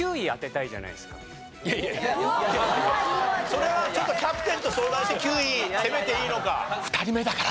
それはちょっとキャプテンと相談して９位攻めていいのか。